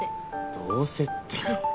「どうせ」ってお前。